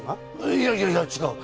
いやいやいや違う！